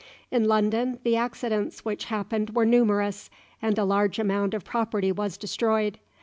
In London the accidents which happened were numerous, and a large amount of property was destroyed.